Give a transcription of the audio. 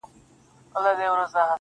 تا هچيش ساتلې دې پر کور باڼه,